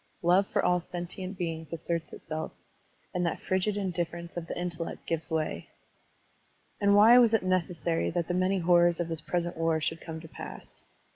Love for all sentient beings asserts itself, and that frigid indifference of the intellect gives way. And why was it necessary that the many horrors of this present war should come to pass?